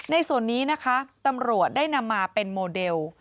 ในส่วนนี้นะคะตำรวจได้นำมาเป็นโมเดล